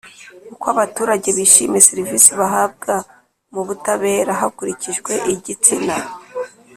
Uko abaturage bishimiye serivisi bahabwa mu butabera hakurikijwe igitsina